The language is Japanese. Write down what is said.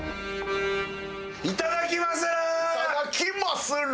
いただきまする！